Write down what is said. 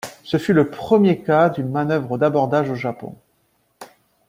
Ce fut le premier cas d'une manœuvre d'abordage au Japon.